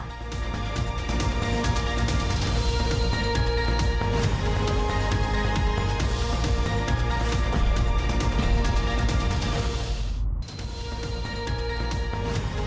อีก